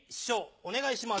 お願いします。